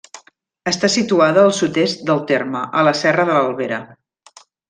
Està situada al sud-est del terme, a la serra de l'Albera.